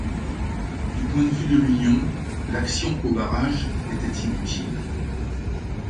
Du point de vue de l'Union, l'action au barrage était inutile.